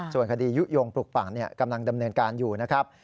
ส่วนคดียุโยงปลุกปั่นกำลังดำเนินการอยู่นะครับ